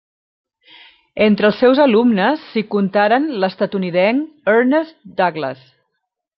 Entre els seus alumnes s'hi contaren l'estatunidenc Ernest Douglas.